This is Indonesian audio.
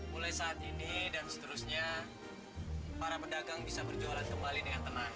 mulai saat ini dan seterusnya para pedagang bisa berjualan kembali dengan tenang